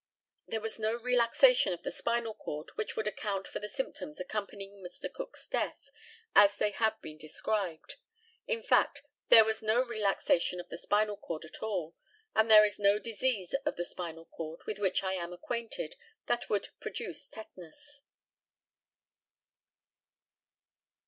There was no relaxation of the spinal cord which would account for the symptoms accompanying Mr. Cook's death, as they have been described. In fact, there was no relaxation of the spinal cord at all, and there is no disease of the spinal cord with which I am acquainted, that would produce tetanus.